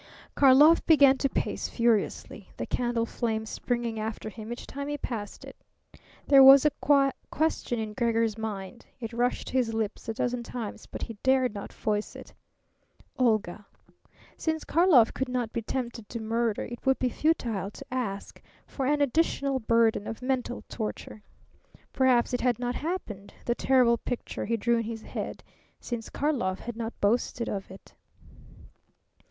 Karlov began to pace furiously, the candle flame springing after him each time he passed it. There was a question in Gregor's mind. It rushed to his lips a dozen times but he dared not voice it. Olga. Since Karlov could not be tempted to murder, it would be futile to ask for an additional burden of mental torture. Perhaps it had not happened the terrible picture he drew in his mind since Karlov had not boasted of it.